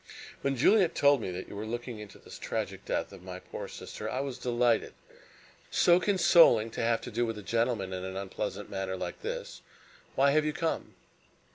When Juliet told me that you were looking into this tragic death of my poor sister I was delighted. So consoling to have to do with a gentleman in an unpleasant matter like this. Why have you come?"